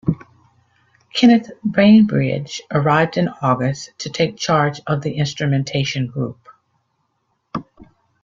Kenneth Bainbridge arrived in August to take charge of the Instrumentation Group.